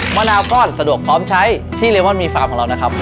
มะนาวก้อนสะดวกพร้อมใช้ที่เลมอนมีฟาร์มของเรานะครับ